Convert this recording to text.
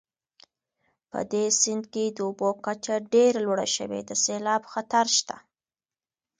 په دې سیند کې د اوبو کچه ډېره لوړه شوې د سیلاب خطر شته